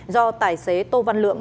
do tài xế tô văn lượng